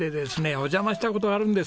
お邪魔した事があるんです。